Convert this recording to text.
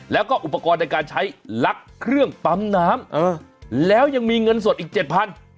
แล้วก็อุปกรณ์ในการใช้ลักเครื่องปั๊มน้ำแล้วยังมีเงินสดอีกเจ็ดพัน